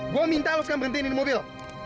gue minta lo sekarang berhenti ini mobil